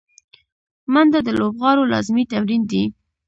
منډه د لوبغاړو لازمي تمرین دی